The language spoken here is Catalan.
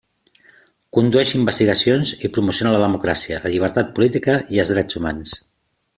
Condueix investigacions i promociona la democràcia, la llibertat política i els drets humans.